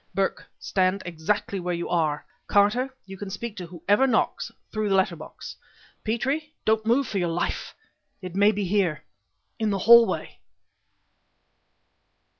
"Burke, stand exactly where you are! Carter, you can speak to whoever knocks, through the letter box. Petrie, don't move for your life! It may be here, in the hallway!